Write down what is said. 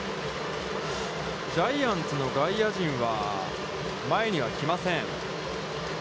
ジャイアンツの外野陣は、前には来ません。